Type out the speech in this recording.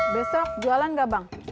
besok jualan nggak bang